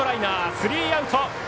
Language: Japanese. スリーアウト。